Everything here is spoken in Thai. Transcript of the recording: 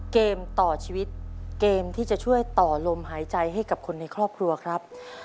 เกมต่อชีวิตเกมที่จะช่วยต่อลมหายใจให้กับคนในครอบครัวครับ